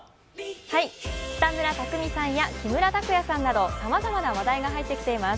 北村匠海さんや木村拓哉さんなどさまざまな話題が入ってきています。